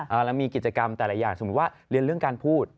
แล้วมีกิจกรรมแต่ละอย่างสมมุติว่าเรียนเรื่องการพูด